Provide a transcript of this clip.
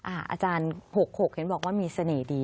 อาจารย์๖๖เห็นบอกว่ามีเสน่ห์ดี